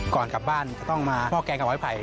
ก่อนกลับบ้านก็ต้องมาเหมาะแกงขวายไผ่